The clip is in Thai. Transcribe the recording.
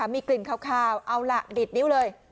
มีกลิ่นคาวเอาล่ะดิดนิ้วเลย